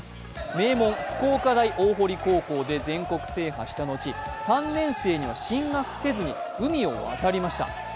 名門・福岡大大濠高校で全国制覇したのち、３年生には進学せずに海を渡りました。